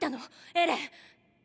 エレン。